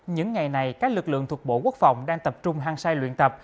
những ngày này các lực lượng thuộc bộ quốc phòng đang tập trung hăng sai luyện tập